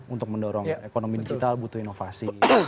untuk mendorong ekonomi digital butuh inovasi